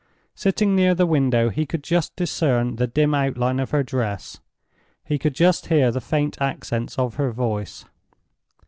Sitting near the window, he could just discern the dim outline of her dress, he could just hear the faint accents of her voice.